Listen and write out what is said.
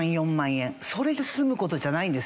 それで済む事じゃないんですよ。